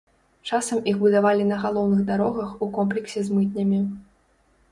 Часам іх будавалі на галоўных дарогах у комплексе з мытнямі.